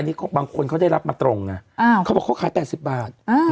มันบางคนเขาได้รับมาตรงเขาก็บอกเค้าขาย๘๐บาท